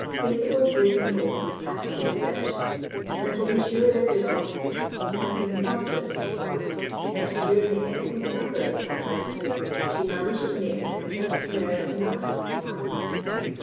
Paisible gave them both a capital reception, and to insure their good offices, I have been confidently informed, that (during the excellent supper they sat down to) she managed to make them just merry enough with wine.